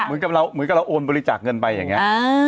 เหมือนกับเราเหมือนกับเราโอนบริจาคเงินไปอย่างนี้